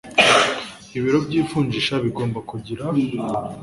ibiro by ivunjisha bigomba kugira